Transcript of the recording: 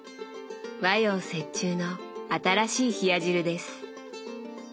和洋折衷の新しい冷や汁です。